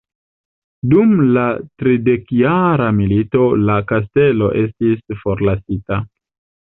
Dum la tridekjara milito la kastelo estis forlasita.